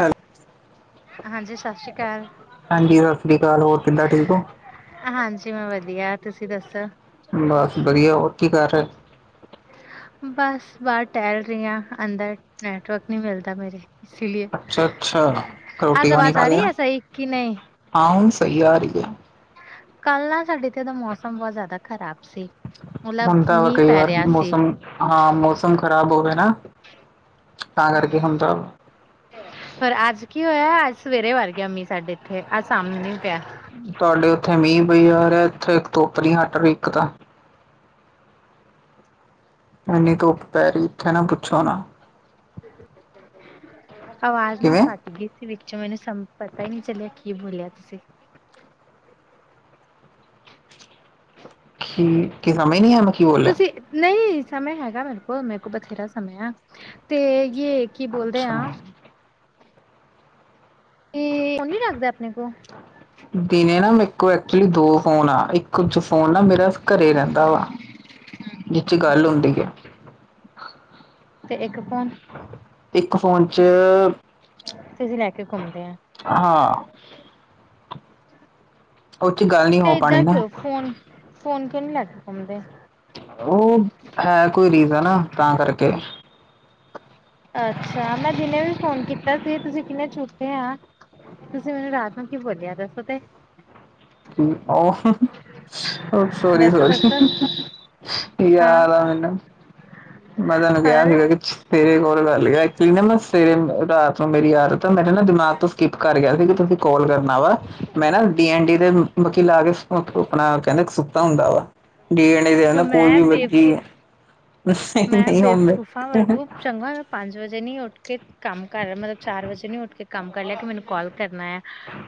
Hello ਹਾਂਜੀ ਸਤਿ ਸ਼੍ਰੀ ਅਕਾਲ ਹਾਂਜੀ ਸਤਿ ਸ੍ਰੀ ਅਕਾਲ ਹੋਰ ਕਿੱਦਾਂ ਠੀਕ ਹੋ ਹਾਂਜੀ ਮੈਂ ਵਧੀਆ ਤੁਸੀਂ ਦੱਸੋ ਬਸ ਵਧੀਆ ਹੋਰ ਕੀ ਕਰ ਰਹੇ ਓ? ਬਸ ਬਾਹਰ ਟਹਿਲ ਰਹੀ ਆ ਅੰਦਰ ਨੈਟਵਰਕ ਨਹੀਂ ਮਿਲਦਾ ਮੇਰੇ ਇਸਲਈ ਅੱਛਾ ਅੱਛਾ ਰੋਟੀ ਅੱਜ ਪਾਣੀ ਆਵਾਜ਼ ਖਾ ਆ ਲਿਆ? ਰਹੀ ਸਹੀ ਕਿ ਨਹੀਂ ਹਾਂ ਹੁਣ ਸਹੀ ਅ ਰਹੀ ਏ ਕੱਲ ਨਾ ਸਾਡੇ ਇੱਥੇ ਦਾ ਮੌਸਮ ਬਹੁਤ ਜ਼ਿਆਦਾ ਖ਼ਰਾਬ ਸੀ ਮਤਲਬ ਹੁੰਦਾ ਵ ਮੀਂਹ ਕਈ ਪੈ ਵਾਰ ਰਿਹਾ ਸੀ ਮੌਸਮ ਹਾਂ ਮੌਸਮ ਖ਼ਰਾਬ ਹੋਵੇ ਨਾ ਤਾਂ ਕਰਕੇ ਹੁੰਦਾ ਵਾ ਫੇਰ ਅੱਜ ਕੀ ਹੋਇਆ ਅੱਜ ਸਵੇਰੇ ਵਰ ਗਿਆ ਮੀਂਹ ਸਾਡੇ ਇੱਥੇ ਅੱਜ ਸਾਮ ਨੀ ਪਿਆ ਤੁਹਾਡੇ ਉੱਥੇ ਮੀਂਹ ਪਈ ਜਾ ਰਿਹਾ ਇੱਥੇ ਇੱਕ ਧੁੱਪ ਨੀ ਹਟ ਰੀ ਇੱਕ ਤਾਂ ਇਨੀ ਧੁੱਪ ਪੈ ਰਹੀ ਇੱਥੇ ਨਾ ਪੁੱਛੋ ਨਾ ਆਵਾਜ਼ ਨਾ ਕਿਵੇਂ? ਕਾਟਦੀ ਵਿੱਚੋ ਮੈਨੂੰ ਸਮ ਪਤਾ ਹੀ ਨਹੀਂ ਚੱਲਿਆ ਕੀ ਬੋਲਿਆ ਤੁਸੀਂ ਕੀ ਕੀ ਸਮਜ਼ ਤੁਸੀਂ ਨਹੀਂ ਸਮੇ ਹੈਗਾ ਮੇਰੇ ਕੋਲ ਮੇਰੇ ਕੋਲ ਬਥੇਰਾ ਸਮਯੇ ਆ ਤੇ ਯ ਕੀ ਬੋਲਦੇ ਅੱਛਾ। ਆ। ਕੀ ਉਹਣ ਨੀ ਰਕਦੇ ਆਪਣੇ ਕੋ [inaudible] ਦਿਨੇ ਨਾ ਮੇਰੇ ਕੋਲ ਐਕਚੁਲੀ ਦੋ ਫੋਨ ਆ ਇੱਕ 'ਚ ਫੋਨ ਨਾ ਮੇਰਾ ਘਰੇ ਰਹਿੰਦਾ ਵਾ। ਜਿਚ ਗੱਲ ਹੁੰਦੀ ਏ। ਤੇ ਇੱਕ ਫੋਨ। ਇੱਕ ਫੋਨ ਤੁਸੀਂ 'ਚ--ਆਹ ਲੈ ਕੇ ਘੁੰਮਦੇ ਆ ਉਹ 'ਚ ਗੱਲ ਨੀ ਤੇ ਏਦਾਂ ਕਿਉਂ ਫੋਨ-ਫੋਨ ਕਿਉਂ ਨੀ ਲੈ ਕੇ ਪਾਉਦੇ? ਉਹ ਹੈ ਕੋਈ ਰੀਜ਼ਨ ਤਾਂ ਕਰਕੇ ਅੱਛਾ ਮੈਂ ਜਿਹਨੇ ਵੀ ਫੋਨ ਕੀਤਾ ਸੀ ਤੁਸੀਂ ਕਿੰਨੇ ਛੋਟੇ ਆ ਤੁਸੀਂ ਮੈਨੂੰ ਰਾਤ ਨੂੰ ਕੀ ਬੋਲਿਆ ਦੱਸੋ ਤੇ? ਓਹ ਸੋਰੀ ਦੱਸੋ ਸੋਰੀ ਦੱਸੋ ਹਾਂ ਯਾਦ ਆ ਮੈਨੂੰ ਮੈਂ ਤੁੈਨੂੰ ਕਿਹਾ ਪਰ ਸੀਗਾ ਕਿ ਸਵੇਰੇ ਕੋਲ ਕਰ ਲਿਓ ਐਕਚੁਲੀ ਨਾ ਮੈਂ ਸਵੇਰੇ ਰਾਤ ਨੂੰ ਮੇਰੀ ਆਦਤ ਤੇ ਮੇਰੇ ਨਾ ਦਿਮਾਗ ਤੋਂ ਸਕਿਪ ਕਰ ਗਿਆ ਸੀ। ਤੁਸੀਂ ਕਾਲ ਕਰਨਾ ਵਾ, ਮੈਂ ਨਾ ਡੀ ਐਨ ਡੀ ਦੇ ਮੱਖੀ ਲਾ ਕੇ ਉਹ ਆਪਣਾ ਕਹਿੰਦੇ ਸੁੱਤਾ ਹੁੰਦਾ, ਵਾ ਡੀ ਐਨ ਕੋਈ ਮੈਂ ਵੀ ਬੇ ਮਰੀਜ਼ ਮੈਂ ਬੇਵਕੂਫਾਂ ਵਾਂਗੂ ਚੰਗਾ ਮੈਂ ਪੰਜ ਵਜੇ ਨੀ ਉੱਠ ਕੇ ਕੰਮ ਕਰ ਮਤਲਬ ਚਾਰ ਵਜੇ ਨੂੰ ਉੱਠ ਕੇ ਕੰਮ ਕਰ ਲਿਆ, ਕੇ ਮੈਨੂੰ ਕਾਲ ਕਰਨਾ ਆ।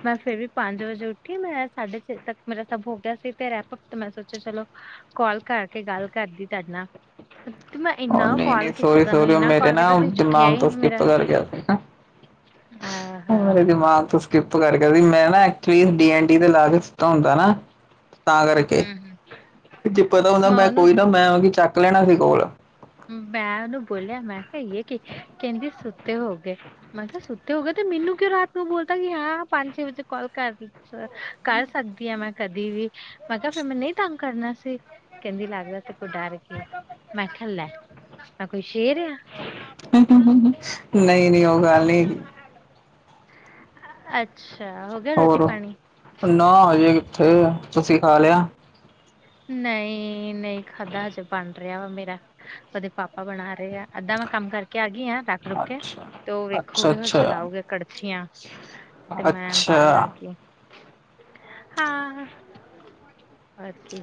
ਮੈਂ ਫੇਰ ਵੀ ਪੰਜ ਵਜੇ ਉੱਠੀ, ਮੈਂ ਸਾਢੇ ਛੇ ਤੱਕ ਮੇਰਾ ਸਭ ਹੋ ਗਿਆ ਸੀ, ਤੇ ਰਹਿ ਭਤ ਮੈਂ ਸੋਚਿਆ ਚਲੋ‌ ਕੋਲ ਕਰਕੇ ਗੱਲ ਕਰਦੀ ਤੁਹਾਡੇ ਨਾਲ। ਤੇ ਮੈਂ ਇੰਨਾ ਕਾਲ ਕੀਤਾ ਤੈਨੂੰ ਇੰਨਾ ਕਾਲ ਕੀਤਾ, ਤੁਸੀਂ ਚੁੱਕਿਆ ਏ ਤੋਂ ਨੀ ਸਕਿਪ ਮੇਰਾ। ਕਰ ਗਿਆ ਸੀਗਾ। ਆਹ ਹਾ ਮੇਰੇ ਦਿਮਾਗ਼ 'ਚ ਸਕਿਪ ਕਰ ਗਿਆ ਸੀ, ਮੈਂ ਨਾ ਐਕਚੁਲੀ ਡੀ ਐਨ ਡੀ ਤੇ ਲਾ ਕੇ ਸੁੱਤਾ ਹੁੰਦਾ ਨਾ ਤਾਂ ਕਰਕੇ, ਜੇ ਪਤਾ ਹੁੰਦਾ ਮੈਂ ਕੋਈ ਨਾ ਮੈਂ ਉਦੀ ਚੱਕ ਲੈਣਾ ਸੀ ਕੋਲ। ਮੈਂ ਉਹਨੂੰ ਬੋਲਿਆ, ਮੈਂ ਕੇ ਇਹ ਕਿ ਕਹਿੰਦੀ ਸੁੱਤੇ ਹੋਗੇ। ਮੈਂ ਕਿਹਾ ਸੁੱਤੇ ਹੋ ਗਏ ਤੇ ਮੈਨੂੰ ਕਿਉਂ ਰਾਤ ਨੂੰ ਬੋਲਤਾ ਕਿ ਹਾਂ ਪੰਜ ਛੇ ਵਜੇ ਕਾਲ ਕਰ ਲਈ। ਕਰ ਸਕਦੀ ਹਾਂ ਮੈਂ ਕਦੀ ਵੀ, ਪਤਾ ਫਿਰ ਮੈਂ ਤੰਗ ਨਹੀ ਕਰਨਾ ਸੀ। ਕਹਿੰਦੀ ਲੱਗਦਾ ਤੇ ਕੋ ਡਰ ਗੀ ਏ। ਐਹ ਲੈ, ਮੈਂ ਕੋਈ ਸੇ਼ਰ ਆਂ। ਨਹੀਂ -ਨਹੀਂ ਉਹ ਗੱਲ ਨੀ। ਅੱਛਾ। ਹੋ ਗਿਆ ਹੋਰ, ਰੋਟੀ ਪਾਣੀ ਨਾ ਹਜੇ ਕਿੱਥੇ? ਤੁਸੀਂ ਖਾ ਲਿਆ। ਨਹੀਂ -ਨਹੀਂ ਖਾਧਾ ਹਜੇ ਬਣ ਰਿਹਾ ਵਾ ਮੇਰਾ, ਉਹਦੇ ਪਾਪਾ ਬਣਾ ਰਹੇ ਆ। ਅਧਾ ਮੈਂ ਕੰਮ ਕਰਕੇ ਆ ਗਈ ਆ ਰੱਖ -ਰੁਖ ਕੇ, ਅੱਛਾ ਤੇ ਉਹ ਅੱਛਾ ਵੇਖੋਗੇ ਫਿਰ ਅੱਛਾ ਚਲਾਉਗੇ ਕੜਛੀਆਂ। ਤੇ ਮੈਂ ਅੱਛਾ। ਬਾਹਰ ਆ ਗਈ ਹਾਂ। ਆਕੇ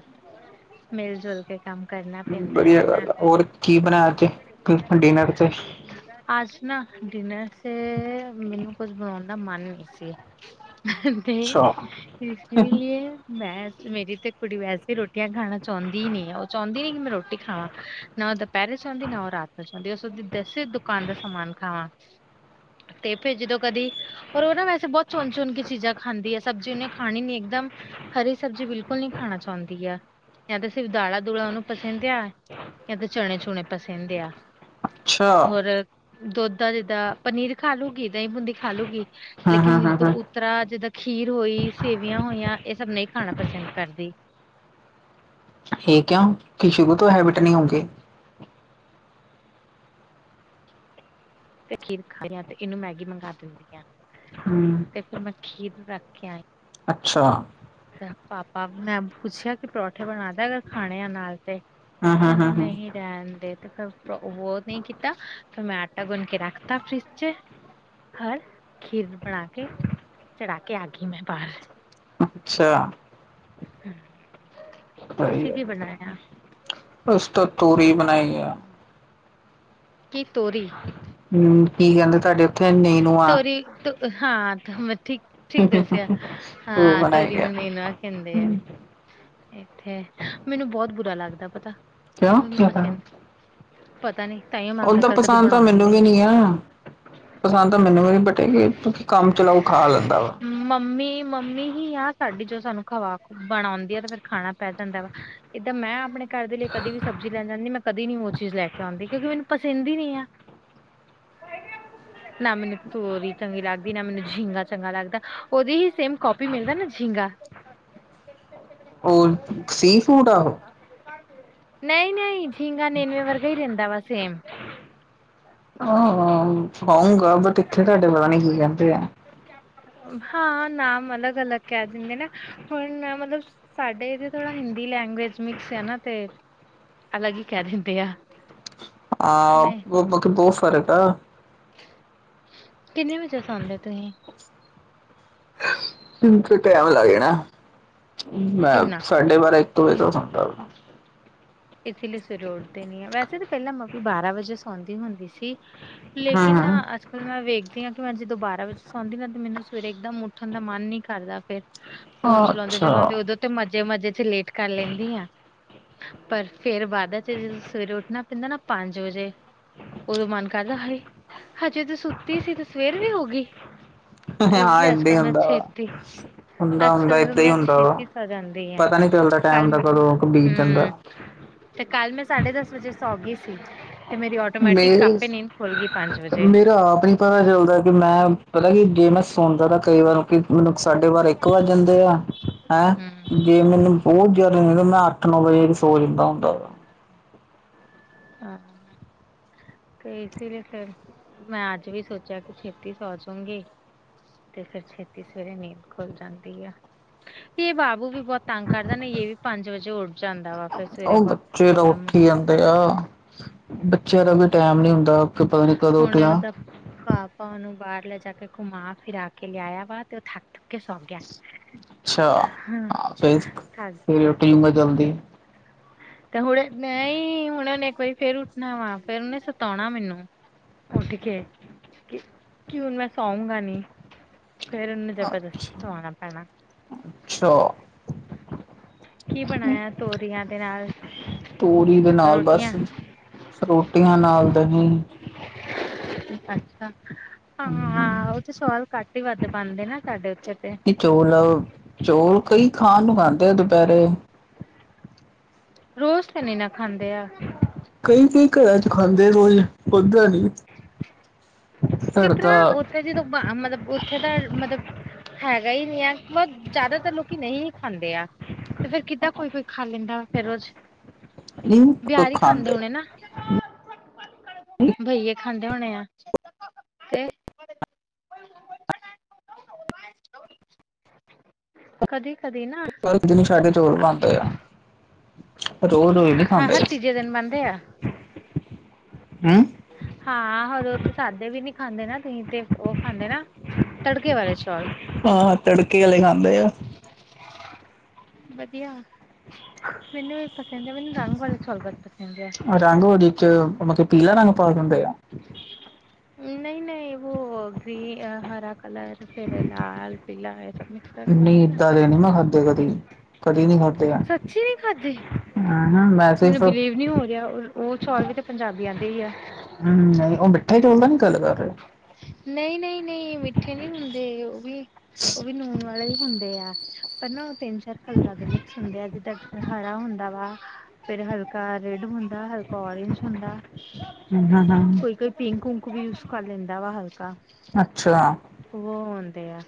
ਮਿਲ-ਜੁਲ ਕੇ ਕੰਮ ਕਰਨਾ ਪੈਂਦਾ ਵਧੀਆ ਹੈ ਨਾ ਗੱਲ ਆ, ਹੋਰ ਕੀ ਬਣਾਇਆ ਅੱਜ ਡਿਨਰ 'ਚ? ਅੱਜ ਨਾ ਡਿਨਰ'ਚ ਮੈਨੂੰ ਕੁੱਝ ਬਣਾਉਣ ਦਾ ਮਨ ਨਹੀਂ ਸੀ ਤੇ ਅੱਛਾ ਇਸ ਲੀਏ ਬੈਸ ਮੇਰੀ ਤੇ ਕੁੜੀ ਵੈਸੇ ਰੋਟੀਆਂ ਖਾਣਾ ਚਾਹੁੰਦੀ ਨੀ, ਉਹ ਚਾਹੁੰਦੀ ਨਹੀਂ ਕਿ ਮੈਂ ਰੋਟੀ ਖਾਵਾਂ। ਨਾ ਓਹ ਦੁਪਹਿਰੇ ਸੌਂਦੀ ਨਾ ਉਹ ਰਾਤ ਸੌਂਦੀ, ਉਹ ਸੋਚਦੀ ਤੇਸੇ ਦੁਕਾਨ ਦਾ ਸਮਾਨ ਖਾਵਾਂ। [inaudible] ਤੇ ਫੇਰ ਜਦੋ ਕਦੀ ਹੋਰ ਉਹ ਨਾ ਮੈਂ ਬਹੁਤ ਚੋਣ-ਚੋਣ ਕੇ ਚੀਜ਼ਾਂ ਖਾਂਦੀ ਏ, ਸਬਜ਼ੀ ਉਹਨੇ ਖਾਣੀ ਨਹੀਂ ਇੱਕਦਮ ਹਰੀ ਸਬਜ਼ੀ ਬਿਲਕੁਲ ਨਹੀਂ ਖਾਣਾ ਚਾਹੁੰਦੀ ਆ। ਜਾਂ ਤਾਂ ਸਿਰਫ ਦਾਲ਼ਾਂ -ਦੁਲਾਂ ਉਹਨੂੰ ਪਸਿੰਦ ਐ, ਜਾਂ ਤੇ ਚਣੇ ਚੂਣੇ ਪਸਿੰਦ ਆ। ਅੱਛਾ ਹੋਰ ਦੁੱਧ ਦਾ ਜਿੱਦਾਂ ਪਨੀਰ ਖਾ ਲੂਗੀ, ਦਹੀਂ ਬੂੰਦੀ ਖਾ ਲੂਗੀ। ਹੂੰ ਹੂੰ ਲੇਕਿਨ ਹੂੰ ਦੋ ਹੂੰ। ਉਤਰਾ ਜਿੱਦਾਂ ਖੀਰ ਹੋਈ, ਸੇਵੀਆਂ ਹੋਈਆਂ। ਇਹ ਸਭ ਨਹੀਂ ਖਾਣਾ ਪਸੰਦ ਕਰਦੀ। ਹੇ ਕਿਉਂ ਕਿ ਸ਼ੁਰੂ ਤੋਂ ਹੈਬਿਟ ਨਹੀਂ ਉਂਦੀ। ਤੇ ਖੀਰ ਖਾ ਆ ਤੇ ਇਹਨੂੰ ਮੈਗੀ ਮੰਗਾ ਦਿੰਦੀ ਆਂ। ਹੰ। ਤੇ ਫਿਰ ਮੈਂ ਖੀਰ ਰੱਖ ਕੇ ਆਈ। ਅੱਛਾ। ਪਾਪਾ ਮੈਂ ਪੁੱਛਿਆ ਕਿ ਪਰੌਠੇ ਬਣਾ ਦਿਆਂ, ਅਗਰ ਖਾਣੇ ਆ ਨਾਲ ਤੇ। ਹਾਂ ਹਾਂ ਕਹਿੰਦੇ ਹਾਂ ਹਾਂ ਨਹੀਂ ਰਹਿਣਦੇ ਤੂੰ ਕ [unintelligible] ਨਹੀਂ ਕੀਤਾ ਫਿਰ ਮੈਂ ਆਟਾ ਗੁੰਨ ਕੇ ਰੱਖਤਾ ਫਰਿੱਜ ਚ। ਹੋਰ ਖੀਰ ਬਣਾ ਕੇ ਚੜ੍ਹਾ ਕੇ ਆ ਗਈ ਮੈਂ ਬਾਹਰ। ਅੱਛਾ। ਹਮ। ਤੁਸੀਂ ਕੀ ਬਣਾਇਆ? [unintelligible] ਅਸੀਂ ਤਾਂ ਤੋਰੀ ਬਣਾਈ ਆ। ਕੀ ਤੋਰੀ ਨੂੰ ਕੀ ਕਹਿੰਦੇ ਤੁਹਾਡੇ ਉੱਥੇ ਨੀਨੂ ਆ ਤੋਰੀ ਤ ਹਾਂ ਥ ਮ ਠੀਕ ਠੀਕ ਦੱਸਿਆ। ਉਹ ਹਾਂ ਤੋਰੀ ਬਣਾਈ ਆ ਨੂੰ ਨੀਨਵਾ ਕਹਿੰਦੇ ਆ। ਇੱਥੇ ਮੈਨੂੰ ਬਹੁਤ ਬੁਰਾ ਲੱਗਦਾ ਪਤਾ, ਕਿਉਂ ਮੈਨੂੰ ਨੀ ਪਸਿੰਦ। ਪਤਾ ਨੀ ਤਾਹੀਓਂ ਮੈਂ ਆਪਣੇ ਘਰ ਕਦੀ ਬਣਾਉਂਦੀ ਵੀ ਨੀ। ਜਾ ਪਸੰਦ ਤਾਂ ਮੈਨੂੰ ਵੀ ਨੀ ਬਟ ਏਹੇ ਭੁੱਖੀ ਕੰਮ ਚਲਾਊ ਖਾ ਲੈਂਦਾ ਵਾ। ਮੰਮੀ ਮੰਮੀ ਹੀ ਆ ਸਾਡੀ ਜੋ ਸਾਨੂੰ ਖਵਾ ਬਣਾਉਂਦੀ ਆ ਤੇ ਫਿਰ ਖਾਣਾ ਪੈ ਜਾਂਦਾ ਵਾ। ਇਹ ਤਾਂ ਮੈਂ ਆਪਣੇ ਘਰ ਦੇ ਲਈ ਕਦੇ ਵੀ ਸਬਜ਼ੀ ਲੈ ਜਾਂਦੀ ਮੈਂ ਕਦੀ ਨੀ ਉਹ ਚੀਜ਼ ਲੈ ਕੇ ਆਉਂਦੀ ਕਿਉਂਕਿ ਮੈਨੂੰ ਪਸੰਦ ਹੀ ਨੀ ਆ। ਨਾ ਮੈਨੂੰ ਤੋਰੀ ਚੰਗੀ ਲੱਗਦੀ ਨਾ ਮੈਨੂੰ ਜੀਗਾਂ ਚੰਗਾ ਲੱਗਦਾ ਉਹਦੀ ਹੀ ਸੇਮ ਕੋਪੀ ਮਿਲਦਾ ਨਾ ਜੀਗਾਂ। ਉਹ ਸੀ ਫੂਡ ਆ ਓਹੋ? ਨਹੀਂ-ਨਹੀਂ ਜੀਂਗਾ ਨੇਨਵੇ ਵਰਗਾ ਈ ਰਹਿੰਦਾ ਵਾ ਸੇਮ। ਹਾਂ-ਹਾਂ ਖਾਊਂਗਾ ਬਟ ਇੱਥੇ ਤੁਹਾਡੇ ਪਤਾ ਨੀ ਕੀ ਕਹਿੰਦੇ ਆ। ਹਾਂ ਨਾਮ ਅਲੱਗ-ਅਲੱਗ ਕਹਿ ਦਿੰਦੇ ਨੇ, ਹੁਣ ਮਤਲਬ ਸਾਡੇ ਇਹਦੇ ਥੋੜਾ ਹਿੰਦੀ ਲੈਂਗੁਏਜ ਮਿਕਸ ਆ ਨਾ ਤੇ ਅਲੱਗ ਹੀ ਕਹਿ ਦਿੰਦੇ ਆ। ਅ, ਨਹੀਂ ਉਹ ਬਾਕੀ ਬਹੁਤ ਫਰਕ ਆ। ਕਿੰਨੇ ਵਜੇ ਸੋਂਦੇ ਓ ਤੁਸੀਂ? ਮੈਨੂੰ ਤੇ ਟਾਈਮ ਲੱਗ ਜਾਣਾ, ਮੈਂ ਕਿੰਨਾ ਸਾਡੇ ਬਾਰਾਂ ਈ ਦੋ ਵਜੇ ਤੋ ਸੌਂਦਾ ਵਾ। ਇਸੇ ਲਈ ਸਵੇਰੇ ਉੱਠਦੇ ਨੀ ਆ ਵੈਸੇ ਤਾਂ ਪਹਿਲਾਂ ਮੰਮੀ ਬਾਰਾਂ ਵਜੇ ਸੌਂਦੀ ਹੁੰਦੀ ਸੀ। ਹਾਂ ਲੇਕਿਨ ਆ ਹਾਂ। ਅਜ ਫਿਰ ਮੈਂ ਵੇਖਦੀ ਹਾਂ ਕਿ ਮੈਂ ਜਦੋਂ ਬਾਰਾਂ ਵਜੇ ਸੌਦੀ ਨਾ ਤੇ ਮੈਨੂੰ ਸਵੇਰੇ ਇੱਕਦਮ ਉੱਠਣ ਦਾ ਮਨ ਨੀ ਕਰਦਾ ਫਿਰ। ਫੋਨ ਅੱਛਾ ਚਲਾਉਂਦੇ-ਚਲਾਉਂਦੇ ਉਦੋਂ ਤੇ ਮਜ਼ੇ-ਮਜ਼ੇ 'ਚ ਲੇਟ ਕਰ ਲੈਂਦੀ ਆ। ਪਰ ਫੇਰ ਬਾਅਦਾਂ 'ਚ ਜਦੋਂ ਸਵੇਰੇ ਉੱਠਣਾ ਪੈਂਦਾ ਨਾ ਪੰਜ ਵਜੇ ਉਦੋਂ ਮਨ ਕਰਦਾ ਹਾਏ, ਹਜੇ ਤੇ ਸੁੱਤੀ ਸੀ ਤੇ ਸਵੇਰ ਵੀ ਹੋ ਗਈ। ਇਸ ਹਾਂ ਲਈ ਅੱਜ ਏਦਾਂ ਈ ਕੱਲ ਮੈਂ ਹੁੰਦਾ ਛੇਤੀ ਵਾ। ਅੱਜ ਹੁੰਦਾ-ਹੁੰਦਾ ਕੱਲ ਏਦਾਂ ਹੀ ਮੈਂ ਹੁੰਦਾ ਵਾ, ਛੇਤੀ ਸੌ ਜਾਂਦੀ ਆ ਪਤਾ ਨੀ ਚੱਲਦਾ ਟਾਈਮ ਕੱਲ ਦਾ ਕਦੋਂ ਬੀਤ ਜਾਂਦਾ। ਹੂੰ ਤੇ ਕੱਲ ਮੈਂ ਸਾਢੇ ਦਸ ਵਜੇ ਸੌ ਗੀ ਸੀ। ਤੇ ਮੇਰੀ ਆਟੋਮੈਟਿਕ ਆਪੇ ਨੀਂਦ ਖੁੱਲ ਗਈ ਪੰਜ ਵਜੇ। ਮੈਂ ਤਾਂ ਆਪ ਨੀ ਪਤਾ ਚੱਲਦਾ ਕਿ ਮੈਂ ਪਤਾ ਕਿ ਜੇ ਮੈਂ ਸ ਸੁਣਦਾ ਤਾਂ ਕਈ ਵਾਰ ਕਿ ਮੈਨੂੰ ਸਾਡੇ ਬਾਰਾਂ ਇੱਕ ਵੱਜ ਜਾਂਦੇ ਆ ਹੈਂ- ਹੂੰ ਜੇ ਮੈਨੂੰ ਬਹੁਤ ਜਿਆਦਾ ਮੈਂ ਅੱਠ ਨੌ ਵਜੇ ਵੀ ਸੋ ਜਾਂਦਾ ਹੁੰਦਾ ਵਾ। ਆਂ ਤੇ ਇਸ ਲਈ ਫਿਰ, ਮੈਂ ਅੱਜ ਵੀ ਸੋਚਿਆ ਕਿ ਛੇਤੀ ਸੌ ਜਾਉਗੀ। ਤੇ ਫਿਰ ਛੇਤੀ ਸਵੇਰੇ ਨੀਂਦ ਖੁੱਲ੍ਹ ਜਾਂਦੀ ਆ। ਇਹ ਬਾਬੂ ਵੀ ਬਹੁਤ ਤੰਗ ਕਰਦਾ ਯਿਹ ਪੰਜ ਵਜੇ ਉੱਡ ਜਾਂਦਾ ਵਾ। ਫਿਰ ਸਵੇਰੇ ਉਹ ਬਹੁਤ ਬੱਚੇ ਤਾਂ ਪ੍ਰੋਬਲਮ ਉੱਠ ਈ ਹੁੰਦੀ ਜਾਂਦੇ ਆ। ਬੱਚਿਆਂ ਤੇ ਦਾ ਕੋਈ ਹੁਣ ਟੈਮ ਨੀ ਹੁੰਦਾ ਕੋਈ ਪਤਾ ਨੀ ਕਦ ਉੱਠ ਹੁਣ ਜਾਣ। ਉਹਦਾ ਪਾਪਾ ਉਹਨੂੰ ਬਾਹਰ ਲੇੈਜਾ ਕੇ ਘੁੰਮਾ ਫਿਰਾ ਕੇ ਲਿਆਇਆ ਵਾ ਤੇ ਉਹ ਥੱੱਕ ਕੇ ਸੌ ਗਿਆ। ਹੂੰ ਹਾਂ ਫਿਰ ਥੱਕ ਸਵੇਰੇ ਗਿਆ ਉੱਠ ਸੀ। ਜੂੰਗਾ ਜਲਦੀ ਤੇ ਹੁਣ ਨਈ ਹੁਣ ਉਹਨੇ ਇੱਕ ਵਾਰੀ ਫੇਰ ਉੱਠਣਾ ਵਾ ਫਿਰ ਉਹਨੇ ਸਤਾਉਣਾ ਮੈਨੂੰ। ਉੱਠ ਕੇ, ਕ ਕਿ ਹੁਣ ਮੈਂ ਸੌਉਗਾ ਨੀ। ਫੇਰ ਇੰਨੂ ਜਬਰਦਸਤੀ ਸੁਵਾਣਾ ਪੈਣਾ। ਅੱਛਾ ਕੀ ਬਣਾਇਆ ਤੋਰੀਆਂ ਦੇ ਨਾਲ ਤੋਰੀ ਦੇ ਨਾਲ ਰੋਟੀਆਂ? ਬਸ ਰੋਟੀਆਂ ਨਾਲ ਦਹੀ। ਅੱਛਾ। ਹਾਂ ਉਹ ਤੇ ਸੋਲ ਘੱਟ ਹੀ ਵੱਧ ਬਾਨਦੇ ਨਾ ਸਾਡੇ ਉੱਥੇ ਤੇ। ਚੌਲ, ਚੋਲ ਕਈ ਖਾਨ ਨੂੰ ਖਾਂਦੇ ਆ ਦੁਪੇਰੇ। ਰੋਜ਼ ਤੇ ਨੀ ਨਾ ਖਾਂਦੇ ਆ। ਕਈ-ਕਈ ਕਰਾਂ ਚ ਖਾਂਦੇ ਰੋਜ਼ ਓਦਾਂ ਨੀ। ਘਰ ਕਿਸ ਦਾ ਤਰ੍ਹਾਂ ਉੱਥੇ ਜਦੋਂ ਮ ਮਤਬ ਉੱਥੇ ਦਾ ਮਤਬ ਹੈਗਾ ਹੀ ਨੀ ਆ ਬਤ ਜਾਦਾਤਰ ਲੋਕੀ ਨੀ ਵੀ ਖਾਂਦੇ ਆ। ਤੇ ਫੇਰ ਕਿੱਦਾਂ ਕੋਈ-ਕੋਈ ਖਾ ਲੈਂਦਾ ਫੇਰ ਰੋਜ਼ ਵਿਆਰੀ ਖਾਂਦੇ ਹੋਣੇ ਨਾ। ਬਈਏ ਖਾਂਦੇ ਹੋਣੇ ਆ। ਤੇ ਕਦੀ-ਕਦੀ ਨਾ ਦਿਨ ਸਾਡੇ ਚੋਲ ਬਾਨਦੇ ਆ, ਰੋਜ਼-ਰੋਜ਼ ਨੀ ਹਾਂ ਖਾਂਦੇ। ਹਰ ਤੀਜੇ ਦਿਨ ਬਣਦੇ ਆ ਹੂੰ। ਹਾਂ ਹਰ ਰੋਜ ਸਾਦੇ ਵੀ ਨੀ ਖਾਂਦੇ ਨਾ ਕਈ ਤੇ ਉਹ ਖਾਂਦੇ ਨਾ ਤੜਕੇ ਵਾਲੇ ਚੌਲ। ਹਾਂ ਤੜਕੇ ਆਲੇ ਖਾਂਦੇ ਆ। ਵਧੀਆ। ਮੈਨੂੰ ਵੀ ਪਸੰਦ ਆ ਮੈਨੂੰ ਰੰਗ ਵਾਲੇ ਚੌਲ ਬੋਤ ਪਸੰਦ ਐ। ਰੰਗ ਵਾਲੇ ਚੌਲ ਮਤਲਬ ਪੀਲਾ ਰੰਗ ਪਾ ਦਿੰਦੇ ਆ। ਨਈ-ਨਈ ਵੋਹ ਗ੍ਰ ਹਰਾ ਕਲਰ ਫਿਰ ਲਾਲ, ਪੀਲਾ ਨੀਂ ਇਦਾ ਦੇ ਨੀ ਮੈਂ ਖਾਂਦੇ ਕਦੀ। ਕਦੀ ਨੀ ਥਾਦੇ ਐ, ਸੱਚੀ ਨੀ ਖਾਧੇ ਅਹ ਵੈਸੇ ਮੈਨੂੰ ਸ ਬਿਲੀਵ ਨਹੀਂ ਹੋ ਰਿਹਾ ਔਰ ਉਹ ਚੌਲ ਵੀ ਤੇ ਪੰਜਾਬੀ ਆਂਦੇ ਈ ਐ। ਹਮ ਓ ਮਿੱਠੇ ਚੌਲ ਦਾ ਨੀ ਗੱਲ ਕਰ ਰੇ। ਨਈ-ਨਈ, ਨਈ ਮਿੱਠੇ ਨੀ ਹੁੰਦੇ ਓਵੀ ਉਹ ਵੀ ਨੂਨ ਆ ਲੇ ਹੁੰਦੇ ਆ ਪਰ ਨਾ ਉਹ ਤਿੰਨ, ਚਾਰ ਕਲਰਾਂ ਦੇ ਮਿਕਸ ਹੁੰਦੇ ਆ ਜਿੱਦਾਂ ਹਰਾ ਹੁੰਦਾ ਵਾ ਫੇਰ ਹਲਕਾ ਰੇਡ ਹੁੰ ਹਲਕਾ ਓਰੇਂਜ ਹੁੰਦਾ ਹੂੰ ਹੂੰ ਕੋਈ-ਕੋਈ ਪਿੰਕ ਊੰਕ ਵੀ ਯੂਸ ਕਰ ਲੈਂਦਾ ਵਾ ਹਲਕਾ। ਅੱਛਾ ਵੋ ਹੁੰਦੇ ਆ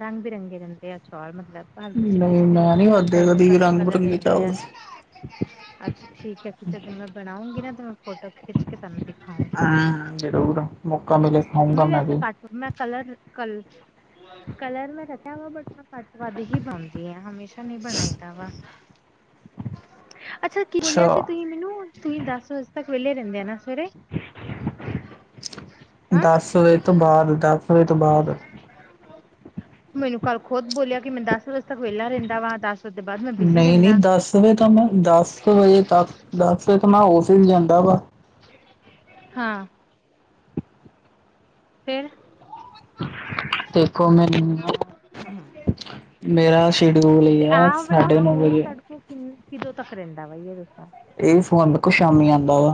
ਰੰਗ ਬਿਰੰਗੇ ਰਹਿੰਦੇ ਆ ਚੌਲ ਮਤਲਬ ਹਲਕੇ ਨਹੀਂ ਚਿੱਟੇ-ਚਿੱਟੇ ਮੈਂ ਨੀ ਲਗੂਗੇ ਖਾਦੇ ਹਲਕਾ-ਹਲਕਾ ਕਦੀ ਰੰਗ ਕਲਰ-ਕਲਰ ਬਿਰੰਗੇ ਦਿੰਦੇ ਐ। ਚਾਵਲ ਅੱਛਾ ਠੀਕ ਐ ਜਦੋਂ ਮੈਂ ਬਣਾਉਂਗੀ ਨਾ ਤੇ ਮੈਂ ਫੋਟੋ ਖਿੱਚ ਕੇ ਤੁਹਾਨੂੰ ਦਿਖਾਊ। ਹਾਂ ਜ਼ਰੂਰ ਮੌਕਾ ਮਿਲੇ ਖਾਊਂਗਾ ਮੈਂ ਵੈਸੇ ਵੀ। ਘੱਟ ਮੈਂ ਕਲਰ ਕਲ ਕਲਰ ਮੈਂ ਰਖਿਆ ਵਾ ਬਟ ਘੱਟ ਵੱਧ ਹੀ ਬਣਦੀ ਆ ਹਮੇਸ਼ਾ ਨੀ ਬਣਾਈ ਦਾ ਵਾ। ਅੱਛਾ ਕੀ ਬੋਲਿਆ ਸੀ ਤੁਹੀ ਮੈਨੂੰ ਤੁਹੀ ਦਸ ਵਜੇ ਤੱਕ ਵਿਹਲੇ ਰੇੰਦੇ ਨਾ ਸਵੇਰੇ। ਹਾਂ ਦਸ ਵਜੇ ਤੋਂ ਬਾਦ, ਦਸ ਵਜੇ ਤੋਂ ਬਾਦ। ਮੈਨੂੰ ਕੱਲ ਖੁਦ ਬੋਲਿਆ ਕਿ ਮੈਂ ਦਸ ਵਜ ਤੱਕ ਵੇਲਾ ਰਹਿੰਦਾ ਵਾ ਦਸ ਵਜੇ ਤੋਂ ਬਾਅਦ ਮੈਂ ਬਿਜ਼ੀ ਨਈ-ਨਈ ਰਹਿੰਦਾ ਦਸ ਵਜੇ ਤਾ ਮੈਂ ਦਸ ਵਜੇ ਤੱਕ ਦਸ ਵਜੇ ਤਾਂ ਮੈਂ ਔਫਿਸ ਜਾਂਦਾ ਵਾ। ਹਾਂ ਫਿਰ ਦੇਖੋ ਮੈਨੂੰ ਮੇਰਾ ਸ਼ਡਿਊਲ ਏ ਆ ਸਾਢੇ ਨੌ ਵਜੇ [unintelligible] ਕਦੋਂ ਤੱਕ ਰੈਦਾ ਵਾ ਜੇ [unintelligible] ਏ ਫੋਅੰਦ ਕੋ ਸ਼ਾਮੀ ਆਂਦਾ ਵਾ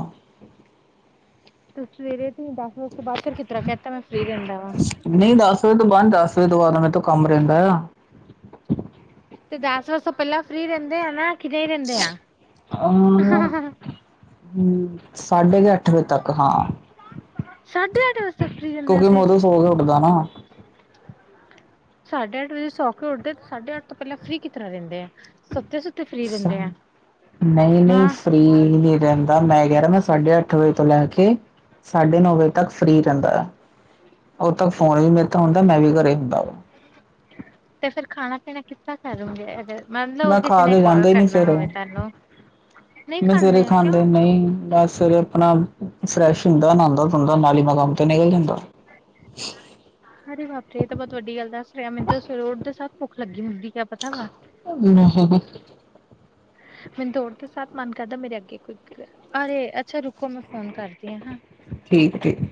ਤੇ ਸਵੇਰੇ ਤੇ ਦਸ ਵਜ ਕੇ ਬਾਅਦ ਫਿਰ ਕਿਸ ਤਰ੍ਹਾਂ ਕੈਅਤਾ ਮੈਂ ਫ੍ਰਰੀ ਰੈਦਾ ਵਾਂ ਨਈ ਦਸ ਵਜੇ ਤੋਂ ਬਾਅਦ ਦਸ ਵਜੇ ਤੋਂ ਬਾਦ ਮੇਰੇ ਤੋਂ ਕੰਮ ਰੈਦਾ। ਤੇ ਦਸ ਵਸੇ ਤੋਂ ਪੈਲਾਂ ਫ੍ਰਰੀ ਰੈਦੇ ਆ ਨਾ ਕਿ ਨਈ ਰੈਦੇ ਆ ਹੂੰ ਸਾਡੇ ਕ ਅੱਠ ਵਜੇ ਤੱਕ ਹਾਂ ਸਾਢੇ ਅੱਠ ਵਜੇ ਤੱਕ ਫ੍ਰੀ ਰਹਿੰਦੇ ਆ ਕਿਉਂਕਿ ਮੈਂ ਫਿਰ। ਓਦੋਂ ਸੋ ਕੇ ਉੱਠਦਾ ਨਾ ਸਾਢੇ ਅੱਠ ਵਜੇ ਸੌ ਕੇ ਉੱਠਦੇ ਤੇ ਸਾਢੇ ਅੱਠ ਪੈਲਾ ਫ੍ਰੀ ਕਿ ਤਰ੍ਹਾਂ ਰੈਦੇ ਆ ਸੁੱਤੇ ਸੁ ਨਈ-ਨਈ ਹਾਂ। ਫ੍ਰੀ ਨੀ ਰੈ ਮੈਂ ਕੈ ਰਿਆ ਮੈਂ ਸਾਢੇ ਅੱਠ ਵਜੇ ਤੋਂ ਲੈ ਕੇ ਸਾਡੇ ਨੌ ਵਜੇ ਤੱਕ ਫ੍ਰੀ ਰੈਦਾ ਓਦੋਂ ਤੱਕ ਫੋਨ ਵੀ ਮੇਰੇ ਤੋਂ ਹੁੰਦਾ, ਮੈਂ ਵੀ ਘਰੇ ਹੁੰਦਾ ਵਾ ਤੇ ਫੇਰ ਖਾਣਾ ਪੀਣਾ ਕਿੱਸ ਤਰਾਂ ਕਰੂੰਗੇ ਮੰਨ ਲਓ ਮੈਂ ਕਿਸੇ ਖਾ ਨੇ ਕੇ ਕਾਲ ਜਾਂਦਾ ਹੀ ਨਹੀਂ ਕਰਨਾ ਸਵੇਰੇ ਹੋਵੇ ਤਾਨੂੰ ਮੈਂ ਸਵੇਰੇ ਖਾਂਦੇ ਨਈ, ਮੈਂ ਸਵੇਰੇ ਅਪਣਾ ਫਰੈਸ਼ ਹੁੰਦਾ ਨਾਂਦਾ ਧੋਦਾ ਨਾਲੀ ਮੈਂ ਕੰਮ ਤੇ ਨਿਕਲ ਜਾਂਦਾ ਅਰੇ ਬਾਪ ਰੇ ਏ ਤਾਂ ਬੋਤ ਵੱਡੀ ਗੱਲ ਦੱਸ ਰਿਆ ਮੈਨੂੰ ਤਾਂ ਸਵੇਰੇ ਉੱਠ ਦੇ ਸਾਰ ਭੁੱਖ ਲੱਗੀ ਹੁੰਦੀ [unintelligible] [inaudible] ਮੈਨੂੰ ਤਾਂ ਉੱਠ ਦੇ ਸਾਰ ਮਨ ਕਰਦਾ ਮੇਰੇ ਅੱਗੇ ਕੋਈ ਅਰੇ ਅੱਛਾ ਰੁਕੋ ਮੈਂ ਫੋਨ ਕਰਦੀ ਆ ਹਅ। ਠੀਕ ਠੀਕ